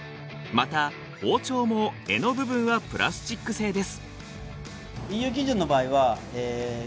また包丁も柄の部分はプラスチック製です。